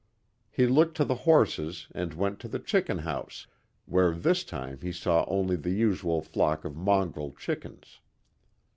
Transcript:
He looked to the horses and went to the chicken house, where this time he saw only the usual flock of mongrel chickens.